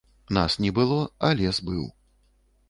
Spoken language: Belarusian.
Нас не было, а лес быў.